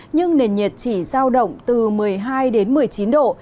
nhưng nền nhiệt chỉ giao động từ một mươi hai đến một mươi chín độ